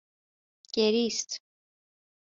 گریست